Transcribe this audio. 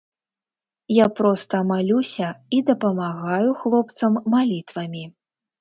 Я проста малюся і дапамагаю хлопцам малітвамі.